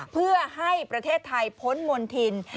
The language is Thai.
เพื่อให้ประเทศไทยพ้นมณฑิน